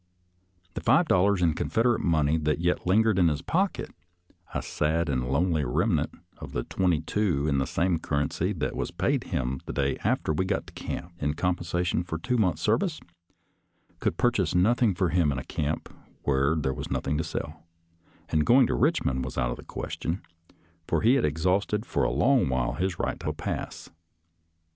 The five dollars in Confederate money that yet lingered in his pocket, a sad and lonely rem nant of the twenty two in the same currency that was paid him the day after we got to this camp in compensation for two months' service, could purchase nothing for him in a camp where there was nothing to sell, and going to Kichmond was out of the question, for he had exhausted for a long while his right to a pass.